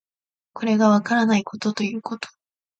これがわからないことということ